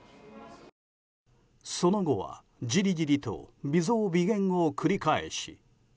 その後はじりじりと微増微減を繰り返し。